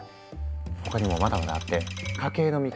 他にもまだまだあって家計の味方鶏肉！